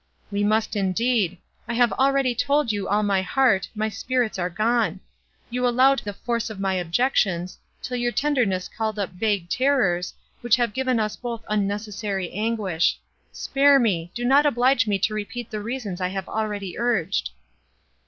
"We must indeed! I have already told you all my heart—my spirits are gone. You allowed the force of my objections, till your tenderness called up vague terrors, which have given us both unnecessary anguish. Spare me! do not oblige me to repeat the reasons I have already urged."